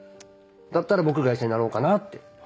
だったら僕が医者になろうかなって。